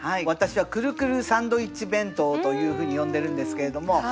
私は「くるくるサンドイッチ弁当」というふうに呼んでるんですけれども。